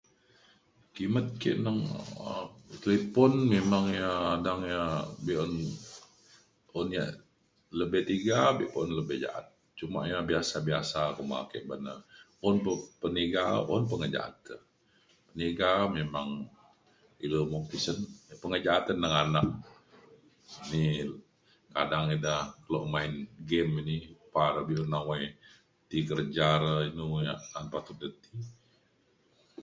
kimet ke neng um talipon memang yak adang ia’ be’un un yak lebih tiga be pa un lebih ja’at. cuma ia’ biasa biasa kuma ake uban na un pa peniga un pa pengeja’at te. peniga memang ilu mung tisen. yak pengeja’at te neng anak ni kadang ida kelo main game ini pa da be’un nawai ti kerja da inu yak an patut ida ti.